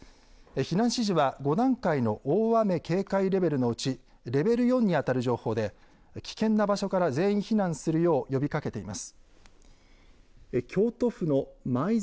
避難指示は５段階の大雨警戒レベルのうちレベル４に当たる情報で危険な場所から全員避難するよう呼びかけています。